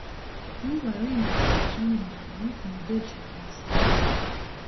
او برای نقاشان معروف مدل شده است.